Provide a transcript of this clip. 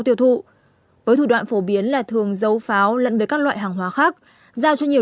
tiêu thụ với thủ đoạn phổ biến là thường giấu pháo lẫn với các loại hàng hóa khác giao cho nhiều